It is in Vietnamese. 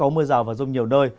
mưa giảm và rông nhiều nơi